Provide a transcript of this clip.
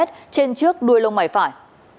trên trước đuôi lông mảy phải